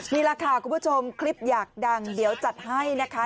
นี่แหละค่ะคุณผู้ชมคลิปอยากดังเดี๋ยวจัดให้นะคะ